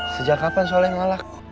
sejak kapan soleh yang malak